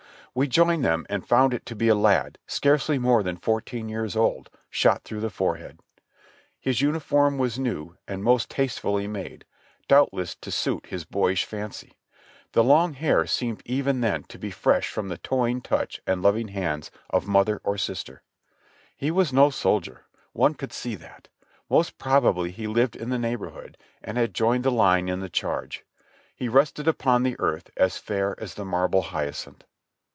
We joined them and found it to be a lad scarcely more than fourteen years old, shot through the forehead. His uniform was new and most taste fully made, doubtless to suit his boyish fancy ; the long hair seemed even then to be fresh from the toying touch and loving hands of mother or sister ; he w^as no soldier, one could see that ; most probably he lived in the neighborhood and had joined the line in the charge ; he rested upon the earth as fair as the marble Hyacinth.